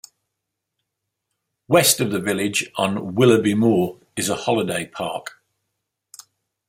West of the village on Willoughby Moor is a holiday park.